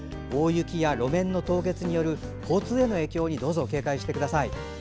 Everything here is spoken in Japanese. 大雪や路面の凍結による交通への影響に警戒してください。